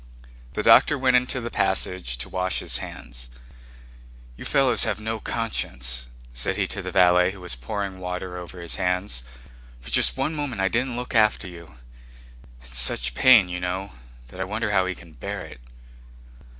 The doctor went into the passage to wash his hands. "You fellows have no conscience," said he to the valet who was pouring water over his hands. "For just one moment I didn't look after you... It's such pain, you know, that I wonder how he can bear it."